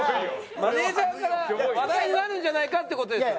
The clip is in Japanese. マネージャーから話題になるんじゃないかって事ですよ。